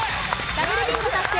ダブルビンゴ達成。